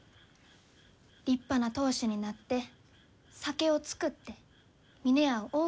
立派な当主になって酒を造って峰屋を大きゅうして。